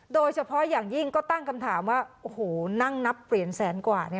โดยเฉพาะอย่างยิ่งก็ตั้งคำถามว่าโอ้โหนั่งนับเปลี่ยนแสนกว่า